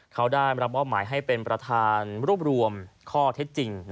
เขาได้รับมอบหมายให้เป็นประธานรวบรวมข้อเท็จจริง